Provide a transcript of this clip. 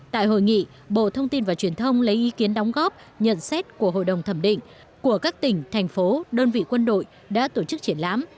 tại hội nghị bộ thông tin và truyền thông lấy ý kiến đóng góp nhận xét của hội đồng thẩm định của các tỉnh thành phố đơn vị quân đội đã tổ chức triển lãm